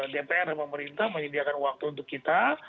dpr dan pemerintah menyediakan waktu untuk kita